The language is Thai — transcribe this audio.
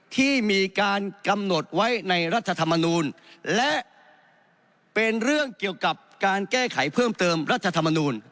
ที่มีการกำหนดไว้ในรัฐธรรมนูลและเป็นเรื่องเกี่ยวกับการแก้ไขเพิ่มเติมรัฐธรรมนูล